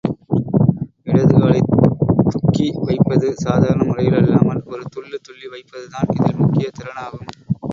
இடது காலைத்துக்கி வைப்பது சாதாரண முறையில் அல்லாமல், ஒரு துள்ளுத் துள்ளி வைப்பதுதான் இதில் முக்கிய திறனாகும்.